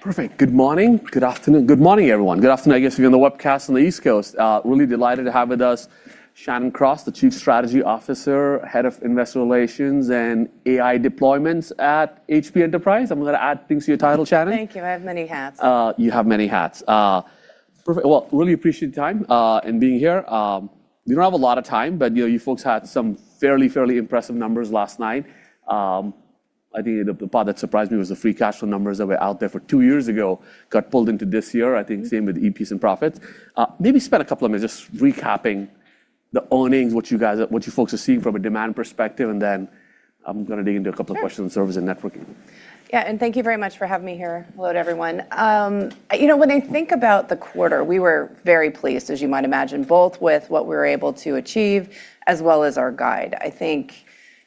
Perfect. Good morning. Good afternoon. Good morning, everyone. Good afternoon, I guess, if you're on the webcast on the East Coast. Really delighted to have with us Shannon Cross, the Chief Strategy Officer, Head of Investor Relations and AI Deployments at HP Enterprise. I'm going to add things to your title, Shannon. Thank you. I have many hats. You have many hats. Perfect. Well, really appreciate the time and being here. We don't have a lot of time. You folks had some fairly impressive numbers last night. I think the part that surprised me was the free cash flow numbers that were out there for two years ago got pulled into this year. I think same with EPS and profits. Maybe spend a couple of minutes just recapping the earnings, what you folks are seeing from a demand perspective, then I'm going to dig into a couple of questions. Sure on service and networking. Thank you very much for having me here. Hello to everyone. When I think about the quarter, we were very pleased, as you might imagine, both with what we were able to achieve as well as our guide.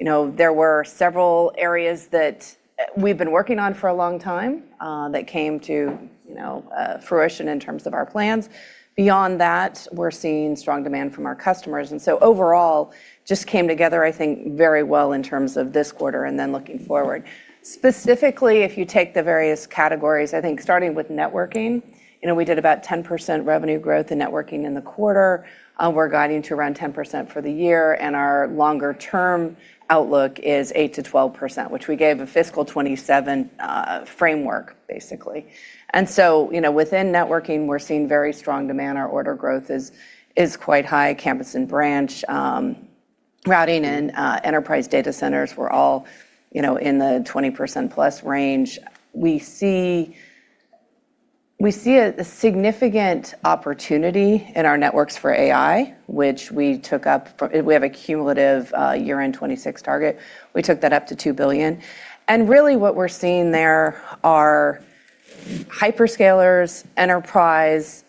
I think there were several areas that we've been working on for a long time that came to fruition in terms of our plans. Beyond that, we're seeing strong demand from our customers, overall, just came together, I think, very well in terms of this quarter, and then looking forward. Specifically, if you take the various categories, I think starting with networking, we did about 10% revenue growth in networking in the quarter. We're guiding to around 10% for the year, and our longer-term outlook is 8%-12%, which we gave a fiscal 2027 framework, basically. Within networking, we're seeing very strong demand. Our order growth is quite high. Campus and branch, routing, and enterprise data centers were all in the 20%+ range. We see a significant opportunity in our networks for AI, which we have a cumulative year-end 2026 target. We took that up to $2 billion. Really what we're seeing there are hyperscalers, enterprise,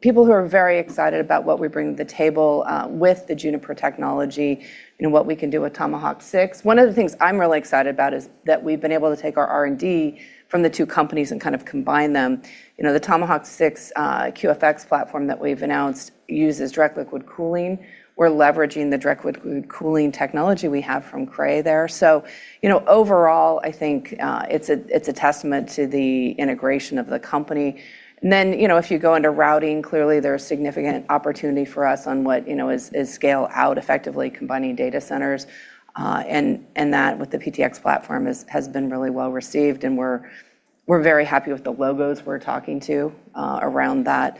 people who are very excited about what we bring to the table with the Juniper technology and what we can do with Tomahawk 6. One of the things I'm really excited about is that we've been able to take our R&D from the two companies and combine them. The Tomahawk 6 QFX platform that we've announced uses direct liquid cooling. We're leveraging the direct liquid cooling technology we have from Cray there. Overall, I think it's a testament to the integration of the company. If you go into routing, clearly there's significant opportunity for us on what is scale-out effectively combining data centers, and that with the PTX platform has been really well-received, and we're very happy with the logos we're talking to around that.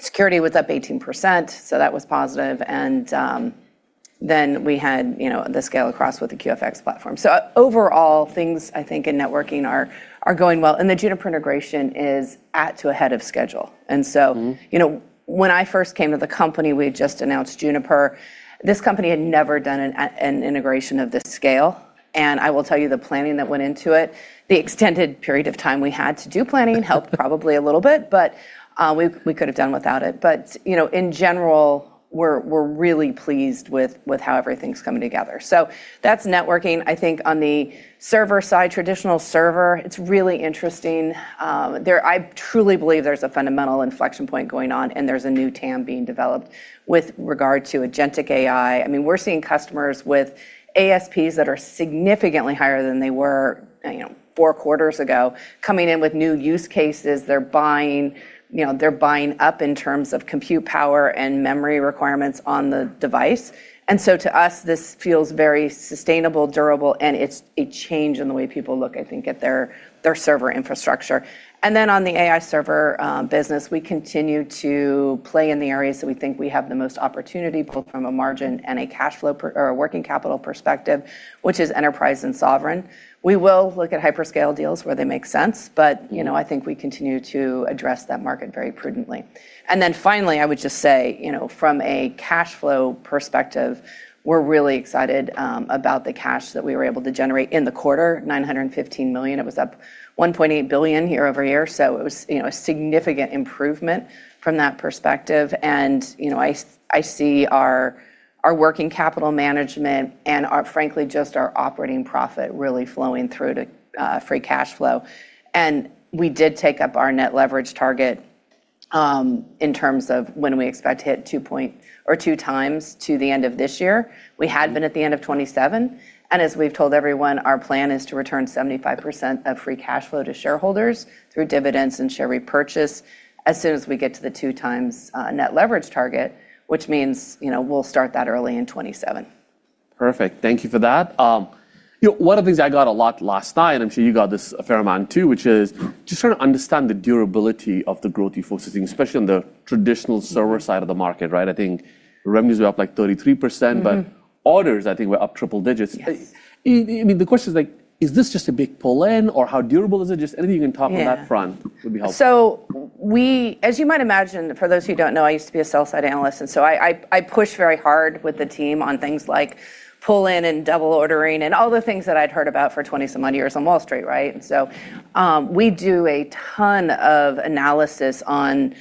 Security was up 18%, so that was positive. We had the scale across with the QFX platform. Overall, things, I think, in networking are going well, and the Juniper integration is at or ahead of schedule. When I first came to the company, we had just announced Juniper. This company had never done an integration of this scale. I will tell you the planning that went into it, the extended period of time we had to do planning helped probably a little bit, but we could have done without it. In general, we're really pleased with how everything's coming together. That's networking. I think on the server side, traditional server, it's really interesting. I truly believe there's a fundamental inflection point going on, and there's a new TAM being developed with regard to agentic AI. We're seeing customers with ASPs that are significantly higher than they were four quarters ago, coming in with new use cases. They're buying up in terms of compute power and memory requirements on the device. To us, this feels very sustainable, durable, and it's a change in the way people look, I think, at their server infrastructure. On the AI server business, we continue to play in the areas that we think we have the most opportunity, both from a margin and a cash flow or a working capital perspective, which is enterprise and sovereign. We will look at hyperscale deals where they make sense, but I think we continue to address that market very prudently. Finally, I would just say from a cash flow perspective, we're really excited about the cash that we were able to generate in the quarter, $915 million. It was up $1.8 billion year-over-year. It was a significant improvement from that perspective. I see our working capital management and frankly, just our operating profit really flowing through to free cash flow. We did take up our net leverage target in terms of when we expect to hit 2x to the end of this year. We had been at the end of 2027. As we've told everyone, our plan is to return 75% of free cash flow to shareholders through dividends and share repurchase as soon as we get to the 2x net leverage target, which means we'll start that early in 2027. Perfect. Thank you for that. One of the things I got a lot last night, I'm sure you got this a fair amount too, which is just trying to understand the durability of the growth you folks are seeing, especially on the traditional server side of the market, right? I think revenues were up like 33%. Orders, I think, were up triple digits. Yes. The question is this just a big pull-in, or how durable is it? Just anything you can talk on that front. Yeah would be helpful. As you might imagine, for those who don't know, I used to be a sell-side analyst, I push very hard with the team on things like pull-in and double ordering and all the things that I'd heard about for 20 some odd years on Wall Street, right? We do a ton of analysis on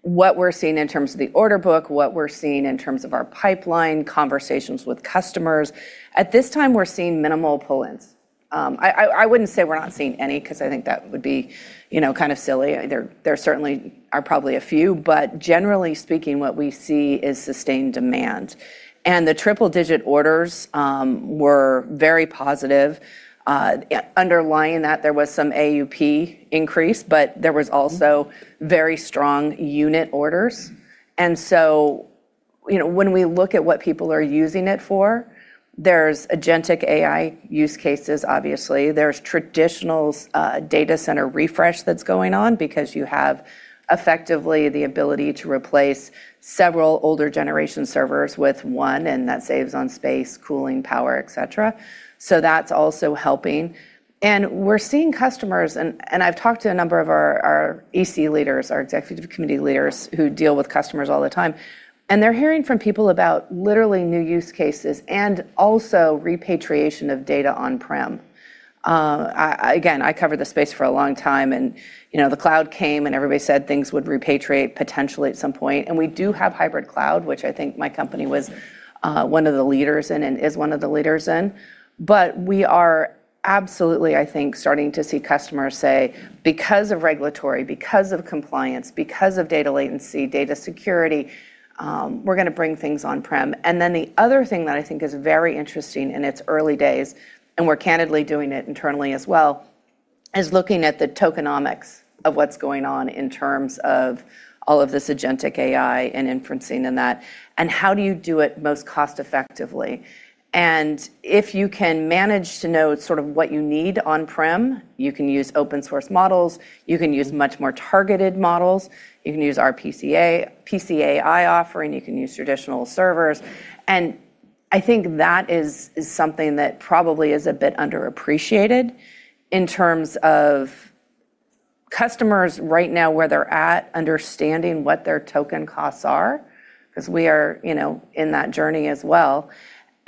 what we're seeing in terms of the order book, what we're seeing in terms of our pipeline, conversations with customers. At this time, we're seeing minimal pull-ins. I wouldn't say we're not seeing any, because I think that would be kind of silly. There certainly are probably a few, but generally speaking, what we see is sustained demand. The triple-digit orders were very positive. Underlying that there was some AUP increase, but there was also very strong unit orders. When we look at what people are using it for, there's agentic AI use cases, obviously. There's traditional data center refresh that's going on because you have effectively the ability to replace several older generation servers with one, and that saves on space, cooling power, et cetera. That's also helping. We're seeing customers, and I've talked to a number of our EC leaders, our executive committee leaders, who deal with customers all the time, and they're hearing from people about literally new use cases and also repatriation of data on-prem. Again, I covered this space for a long time, and the cloud came and everybody said things would repatriate potentially at some point. We do have hybrid cloud, which I think my company was one of the leaders in and is one of the leaders in. We are absolutely, I think, starting to see customers say, because of regulatory, because of compliance, because of data latency, data security, we're going to bring things on-prem. The other thing that I think is very interesting in its early days, and we're candidly doing it internally as well, is looking at the tokenomics of what's going on in terms of all of this agentic AI and inferencing and that, and how do you do it most cost effectively. If you can manage to know sort of what you need on-prem, you can use open source models, you can use much more targeted models. You can use our PCAI offering, you can use traditional servers. I think that is something that probably is a bit underappreciated in terms of customers right now, where they're at, understanding what their token costs are, because we are in that journey as well.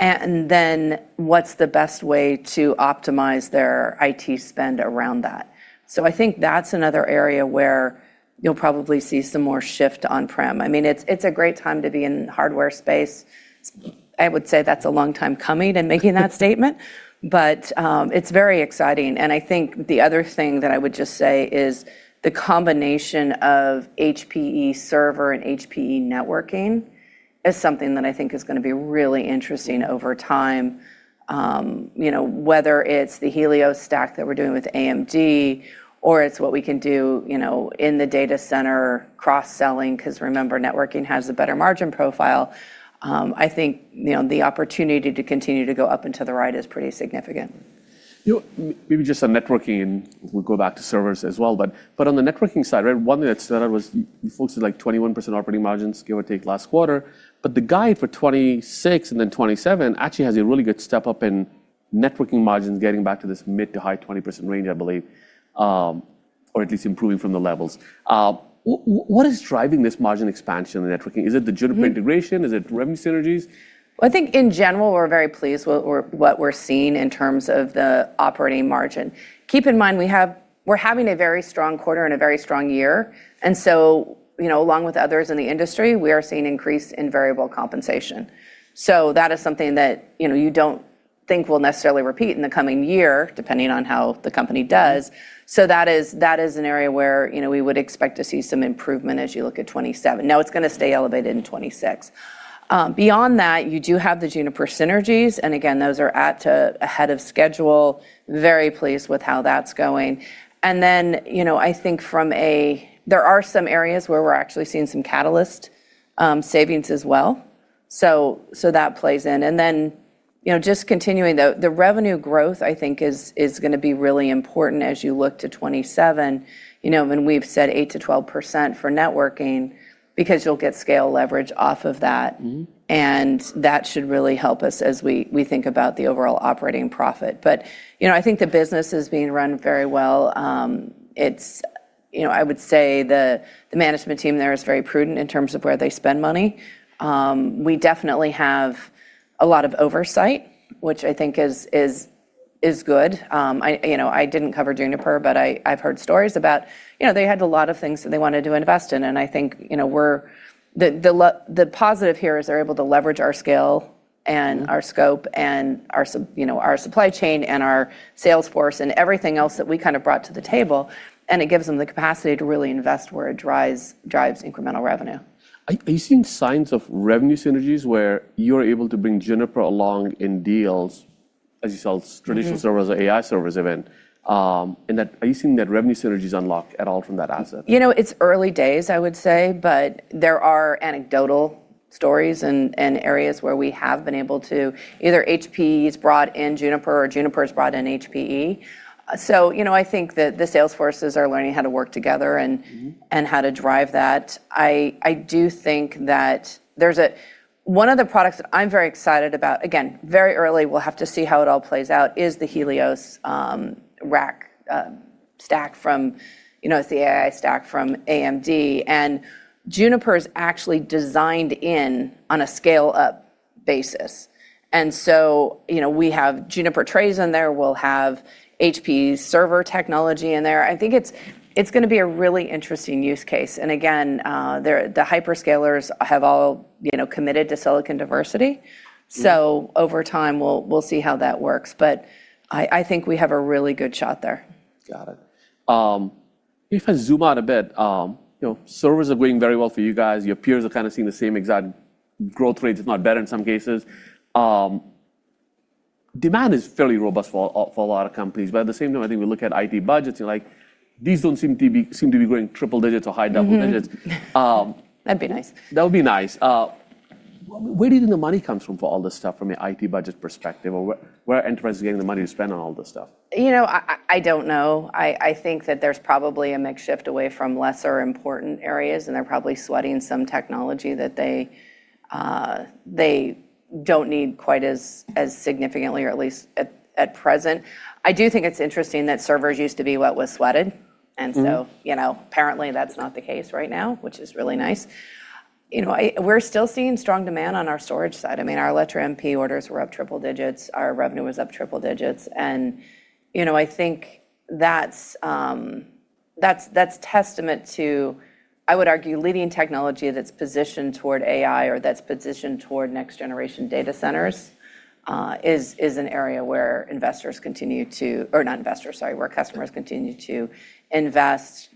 What's the best way to optimize their IT spend around that? I think that's another area where you'll probably see some more shift on-prem. It's a great time to be in the hardware space. I would say that's a long time coming in making that statement, but it's very exciting. I think the other thing that I would just say is the combination of HPE server and HPE networking is something that I think is going to be really interesting over time. Whether it's the Helios stack that we're doing with AMD or it's what we can do in the data center cross-selling, because remember, networking has a better margin profile. I think the opportunity to continue to go up into the ride is pretty significant. Maybe just on networking, and we'll go back to servers as well, but on the networking side, one thing that stood out was you folks did 21% operating margins, give or take last quarter. The guide for 2026 and then 2027 actually has a really good step-up in networking margins getting back to this mid to high 20% range, I believe, or at least improving from the levels. What is driving this margin expansion in networking? Is it the Juniper integration? Is it revenue synergies? I think in general, we're very pleased with what we're seeing in terms of the operating margin. Keep in mind, we're having a very strong quarter and a very strong year, along with others in the industry, we are seeing increase in variable compensation. That is something that you don't think will necessarily repeat in the coming year, depending on how the company does. That is an area where we would expect to see some improvement as you look at 2027. Now, it's going to stay elevated in 2026. Beyond that, you do have the Juniper synergies, and again, those are at ahead of schedule. Very pleased with how that's going. I think there are some areas where we're actually seeing some Catalyst savings as well, that plays in. Just continuing, the revenue growth, I think is going to be really important as you look to 2027. When we've said 8%-12% for networking because you'll get scale leverage off of that, and that should really help us as we think about the overall operating profit. I think the business is being run very well. I would say the management team there is very prudent in terms of where they spend money. We definitely have a lot of oversight, which I think is good. I didn't cover Juniper, but I've heard stories about they had a lot of things that they wanted to invest in, and I think the positive here is they're able to leverage our scale and our scope and our supply chain and our sales force and everything else that we brought to the table, and it gives them the capacity to really invest where it drives incremental revenue. Are you seeing signs of revenue synergies where you're able to bring Juniper along in deals as you sell traditional servers or AI servers even? Are you seeing that revenue synergies unlock at all from that asset? It's early days, I would say, but there are anecdotal stories and areas where we have been able to, either HPE's brought in Juniper or Juniper's brought in HPE. I think that the sales forces are learning how to work together and how to drive that. I do think that one of the products that I'm very excited about, again, very early, we'll have to see how it all plays out, is the Helios rack stack. It's the AI stack from AMD. Juniper is actually designed in on a scale-up basis. We have Juniper trays in there. We'll have HPE's server technology in there. I think it's going to be a really interesting use case. Again, the hyperscalers have all committed to silicon diversity. Over time, we'll see how that works. I think we have a really good shot there. Got it. If I zoom out a bit, servers are doing very well for you guys. Your peers are seeing the same exact growth rates, if not better in some cases. Demand is fairly robust for a lot of companies. At the same time, I think we look at IT budgets and these don't seem to be growing triple digits or high double digits. Mm-mm. That'd be nice. That would be nice. Where do you think the money comes from for all this stuff, from an IT budget perspective? Where are enterprises getting the money to spend on all this stuff? I don't know. I think that there's probably a mix shift away from lesser important areas, and they're probably sweating some technology that they don't need quite as significantly, or at least at present. I do think it's interesting that servers used to be what was sweated. Apparently, that's not the case right now, which is really nice. We're still seeing strong demand on our storage side. Our Alletra MP orders were up triple digits. Our revenue was up triple digits. I think that's testament to, I would argue, leading technology that's positioned toward AI or that's positioned toward next-generation data centers, is an area where investors continue to, or not investors, sorry, where customers. Sure continue to invest.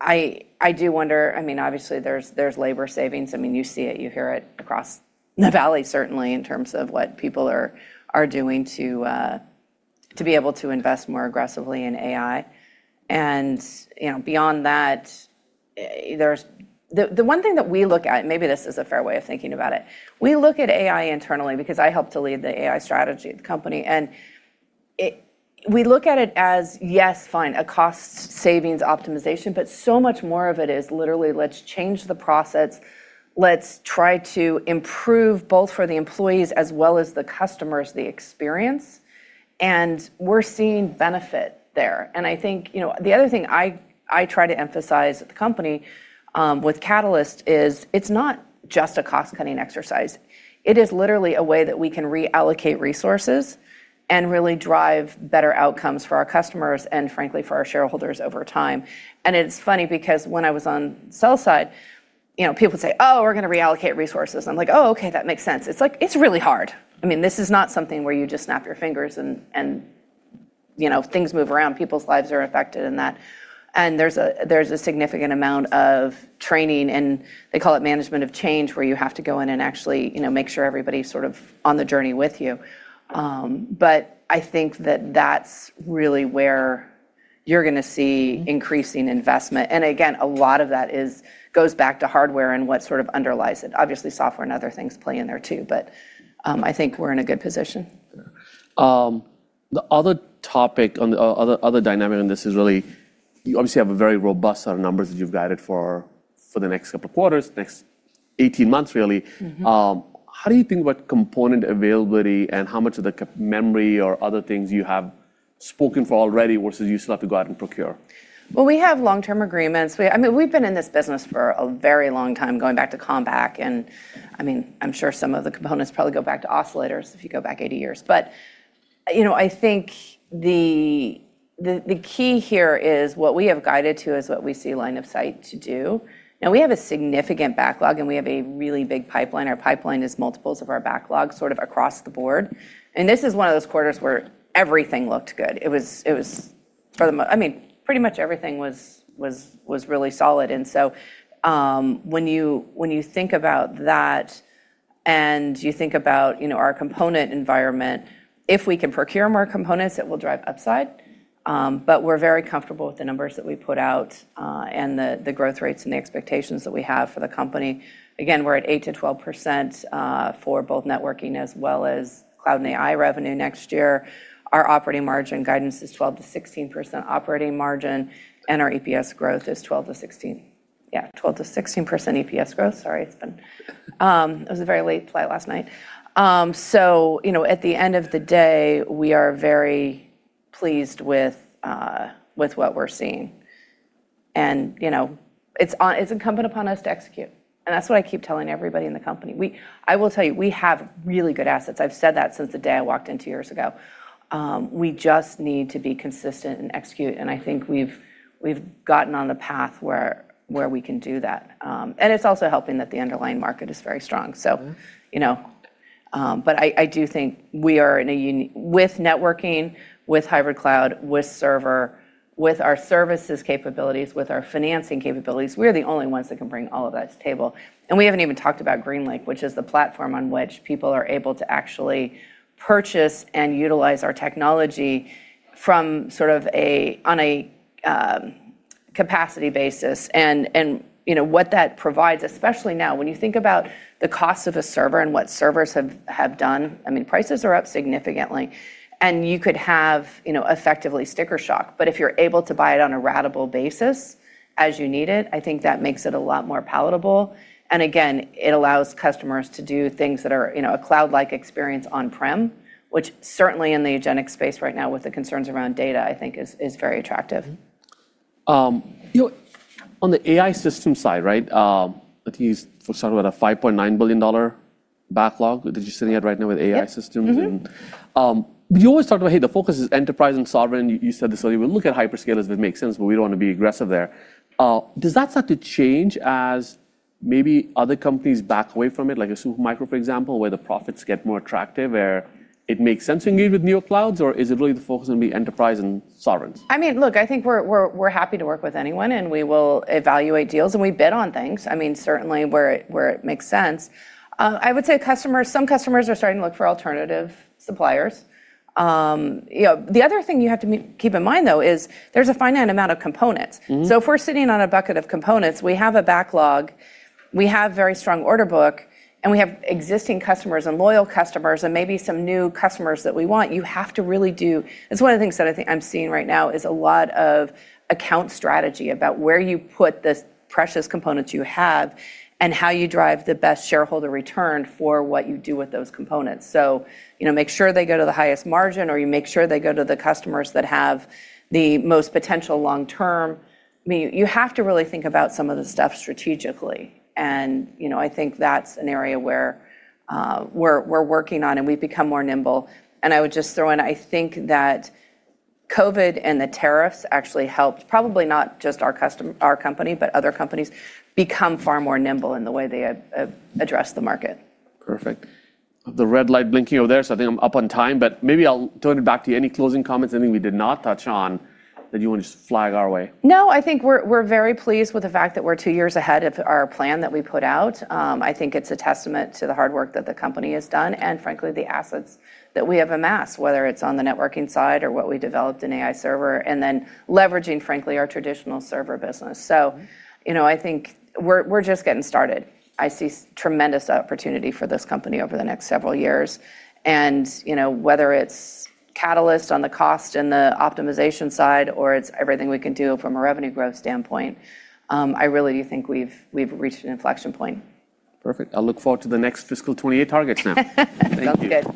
I do wonder, obviously, there's labor savings. You see it, you hear it across the valley, certainly, in terms of what people are doing to be able to invest more aggressively in AI. Beyond that, the one thing that we look at, maybe this is a fair way of thinking about it. We look at AI internally because I help to lead the AI strategy of the company, and we look at it as, yes, fine, a cost savings optimization, but so much more of it is literally, let's change the process. Let's try to improve, both for the employees as well as the customers, the experience. We're seeing benefit there. I think the other thing I try to emphasize at the company with Catalyst is it's not just a cost-cutting exercise. It is literally a way that we can reallocate resources and really drive better outcomes for our customers and frankly, for our shareholders over time. It's funny because when I was on the sell side, people would say, "Oh, we're going to reallocate resources." I'm like, "Oh, okay. That makes sense." It's really hard. This is not something where you just snap your fingers and things move around. People's lives are affected in that. There's a significant amount of training, and they call it management of change, where you have to go in and actually make sure everybody's on the journey with you. I think that that's really where you're going to see increasing investment. Again, a lot of that goes back to hardware and what underlies it. Obviously, software and other things play in there too. I think we're in a good position. The other topic, other dynamic in this is really, you obviously have a very robust set of numbers that you've guided for the next couple of quarters, next 18 months, really. How do you think about component availability and how much of the memory or other things you have spoken for already, versus you still have to go out and procure? Well, we have long-term agreements. We've been in this business for a very long time, going back to Compaq, and I'm sure some of the components probably go back to oscillators if you go back 80 years. I think the key here is what we have guided to is what we see line of sight to do. Now we have a significant backlog, and we have a really big pipeline. Our pipeline is multiples of our backlog across the board. This is one of those quarters where everything looked good. Pretty much everything was really solid. When you think about that and you think about our component environment, if we can procure more components, it will drive upside. We're very comfortable with the numbers that we put out, and the growth rates and the expectations that we have for the company. We're at 8%-12% for both networking as well as cloud and AI revenue next year. Our operating margin guidance is 12%-16% operating margin, and our EPS growth is 12%-16%. Yeah, 12%-16% EPS growth. Sorry. It was a very late flight last night. At the end of the day, we are very pleased with what we're seeing. It's incumbent upon us to execute, and that's what I keep telling everybody in the company. I will tell you, we have really good assets. I've said that since the day I walked in two years ago. We just need to be consistent and execute, and I think we've gotten on the path where we can do that. It's also helping that the underlying market is very strong. I do think with networking, with hybrid cloud, with server, with our services capabilities, with our financing capabilities, we're the only ones that can bring all of that to the table. We haven't even talked about GreenLake, which is the platform on which people are able to actually purchase and utilize our technology from on a capacity basis. What that provides, especially now, when you think about the cost of a server and what servers have done, prices are up significantly. You could have effectively sticker shock. If you're able to buy it on a ratable basis as you need it, I think that makes it a lot more palatable. Again, it allows customers to do things that are a cloud-like experience on-prem, which certainly in the agentic space right now with the concerns around data, I think is very attractive. On the AI system side, right? I think you folks talk about a $5.9 billion backlog that you're sitting at right now with AI systems. Yeah. Mm-hmm. You always talk about, hey, the focus is enterprise and sovereign. You said this earlier, we'll look at hyperscalers if it makes sense, but we don't want to be aggressive there. Does that start to change as maybe other companies back away from it, like a Super Micro, for example, where the profits get more attractive, where it makes sense to engage with new clouds? Is it really the focus is going to be enterprise and sovereigns? Look, I think we're happy to work with anyone, and we will evaluate deals, and we bid on things certainly where it makes sense. I would say some customers are starting to look for alternative suppliers. The other thing you have to keep in mind, though, is there's a finite amount of components. If we're sitting on a bucket of components, we have a backlog, we have very strong order book, and we have existing customers and loyal customers and maybe some new customers that we want. It's one of the things that I think I'm seeing right now is a lot of account strategy about where you put the precious components you have and how you drive the best shareholder return for what you do with those components. Make sure they go to the highest margin, or you make sure they go to the customers that have the most potential long-term. You have to really think about some of the stuff strategically, and I think that's an area where we're working on, and we've become more nimble. I would just throw in, I think that COVID and the tariffs actually helped, probably not just our company, but other companies become far more nimble in the way they address the market. Perfect. The red light blinking over there, so I think I'm up on time, but maybe I'll turn it back to you. Any closing comments, anything we did not touch on that you want to just flag our way? No, I think we're very pleased with the fact that we're two years ahead of our plan that we put out. I think it's a testament to the hard work that the company has done and, frankly, the assets that we have amassed, whether it's on the networking side or what we developed in AI server and then leveraging, frankly, our traditional server business. I think we're just getting started. I see tremendous opportunity for this company over the next several years. Whether it's Catalyst on the cost and the optimization side or it's everything we can do from a revenue growth standpoint, I really do think we've reached an inflection point. Perfect. I look forward to the next fiscal 2028 targets now. Sounds good.